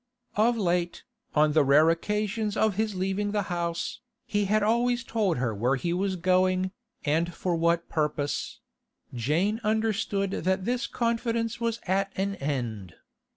Of late, on the rare occasions of his leaving the house, he had always told her where he was going, and for what purpose; Jane understood that this confidence was at an end.